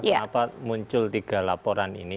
kenapa muncul tiga laporan ini